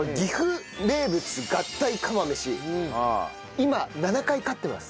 今７回勝ってます。